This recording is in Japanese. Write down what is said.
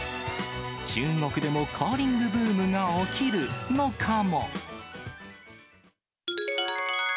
中国でもカーリングブームが起きる、のかも。